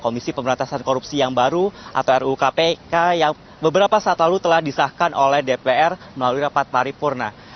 visi pemerintahan korupsi yang baru atau rukpk yang beberapa saat lalu telah disahkan oleh dpr melalui rapat paripurna